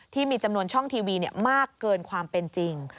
ที่มีจำนวนช่องทีวีมากเกินความเป็นจริง